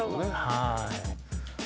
はい。